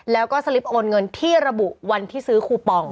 แล้วก็สลิปโอนเงินที่ระบุวันที่ซื้อคูปอง